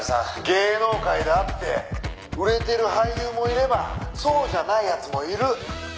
「芸能界だって売れてる俳優もいればそうじゃない奴もいる」